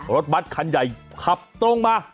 รถบัตรคันใหญ่ขับตรงมา